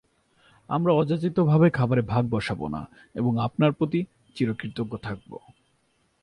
আমরা অযাচিতভাবে খাবারে ভাগ বসাবো না, এবং আপনার প্রতি চিরকৃতজ্ঞ থাকব।